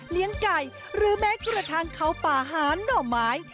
เลี้ยงไก่หรือแม้กระทั่งเข้าป่าหาหน่อไม้